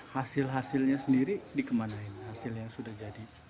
hasil hasilnya sendiri dikemanain hasil yang sudah jadi